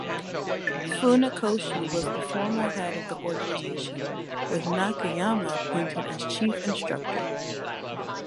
Funakoshi was the formal head of the organization, with Nakayama appointed as Chief Instructor.